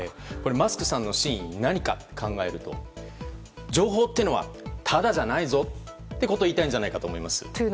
マスクさんの真意は何かを考えると情報はただじゃないぞってことを言いたいんじゃないかと思います。